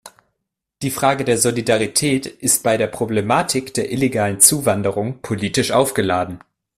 Die Frage der Solidarität ist bei der Problematik der illegalen Zuwanderung politisch aufgeladen.